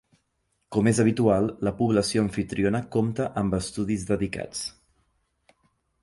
Com és habitual, la població amfitriona compta amb estudis dedicats.